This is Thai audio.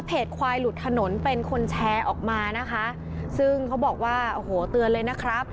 ควายหลุดถนนเป็นคนแชร์ออกมานะคะซึ่งเขาบอกว่าโอ้โหเตือนเลยนะครับ